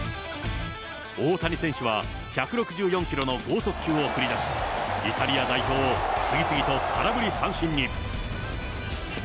大谷選手は１６４キロの剛速球を繰り出し、イタリア代表を次々と空振り三振に。